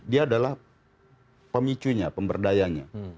dia adalah pemicunya pemberdayanya